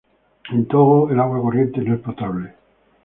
En Togo, el agua corriente no es potable.